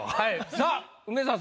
さあ梅沢さん